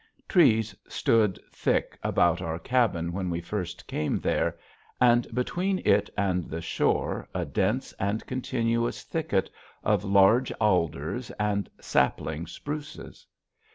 Trees stood thick about our cabin when we first came there; and between it and the shore a dense and continuous thicket of large alders and sapling spruces.